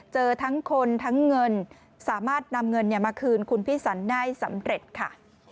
เจอทั้งคนทั้งเงินสามารถนำเงินมาคืนคุณพี่สันได้สำเร็จค่ะ